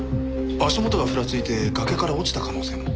足元がふらついて崖から落ちた可能性も。